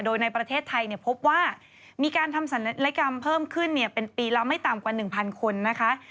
โดยในประเทศไทยพบว่ามีการทำศัลยกรรมเพิ่มขึ้นเป็นปีละไม่ต่ำกว่า๑๐๐คนนะคะ